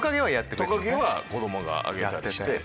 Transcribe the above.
トカゲは子供があげたりして。